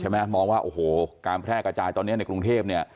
มองว่าการแพร่กระจายตอนนี้ในกรุงเทพ